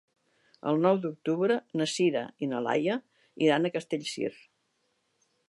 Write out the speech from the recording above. El nou d'octubre na Sira i na Laia iran a Castellcir.